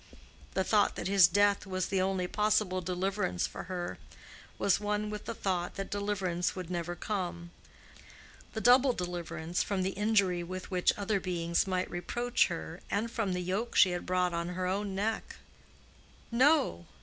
The thought that his death was the only possible deliverance for her was one with the thought that deliverance would never come—the double deliverance from the injury with which other beings might reproach her and from the yoke she had brought on her own neck. No!